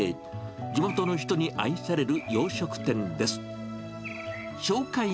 地元の人に愛される洋食店です。